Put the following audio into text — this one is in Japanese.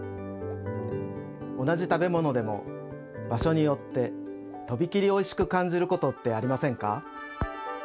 同じ食べものでも場所によってとびきりおいしくかんじることってありませんか？